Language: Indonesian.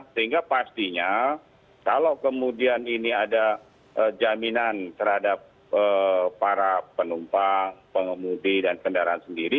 sehingga pastinya kalau kemudian ini ada jaminan terhadap para penumpang pengemudi dan kendaraan sendiri